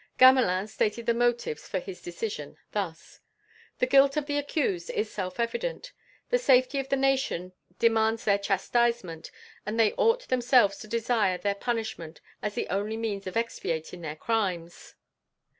Gamelin stated the motives for his decision thus: "The guilt of the accused is self evident; the safety of the Nation demands their chastisement, and they ought themselves to desire their punishment as the only means of expiating their crimes."